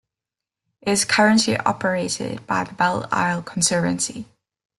It is currently operated by the Belle Isle Conservancy.